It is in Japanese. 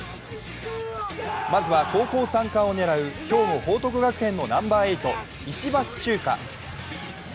まずは高校３冠を狙う兵庫・報徳学園のナンバー８、石橋チューカ。